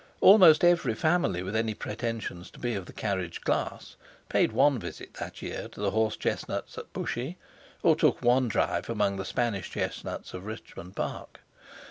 Almost every family with any pretensions to be of the carriage class paid one visit that year to the horse chestnuts at Bushey, or took one drive amongst the Spanish chestnuts of Richmond Park.